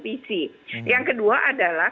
pc yang kedua adalah